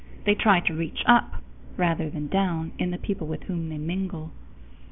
They try to reach up rather than down in the people with whom they mingle.